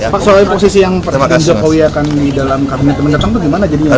pak soal posisi yang presiden jokowi akan didalam kabinet menetapkan bagaimana jadinya pak